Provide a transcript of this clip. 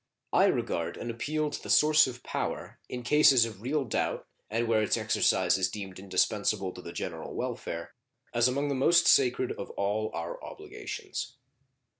I regard an appeal to the source of power in cases of real doubt, and where its exercise is deemed indispensable to the general welfare, as among the most sacred of all our obligations.